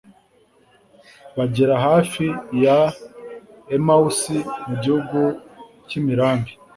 bagera hafi ya emawusi mu gihugu cy'imirambi